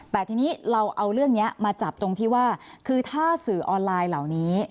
แต่ทีนี้เราเอาเรื่องนี้มาจับตรงที่ว่าคือถ้าสื่อออนไลน์เหล่านี้